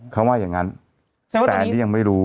เขาว่าอย่างนั้นแต่อันนี้ยังไม่รู้